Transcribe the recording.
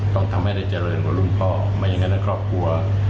ต้องทำให้ได้เจริญกว่ารุ่นพ่อไม่อย่างนั้นครอบครัว